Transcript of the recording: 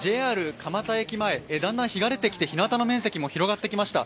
蒲田駅前、日が出てきてひなたの面積も広がってきました。